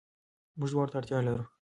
موږ دواړو ته اړتيا لرو.